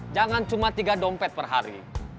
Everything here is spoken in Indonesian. jangan cuma tiga dompet per hari